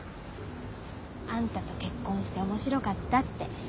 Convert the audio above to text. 「あんたと結婚して面白かった」って。